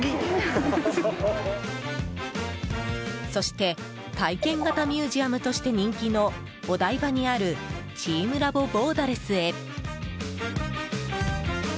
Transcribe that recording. そして体験型ミュージアムとして人気のお台場にあるチームラボボーダレスへ。